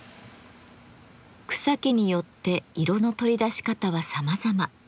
草木によって色の取り出し方はさまざま。